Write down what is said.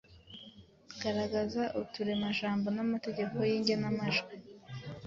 Garagaza uturemajambo n’amategeko y’igenamajwi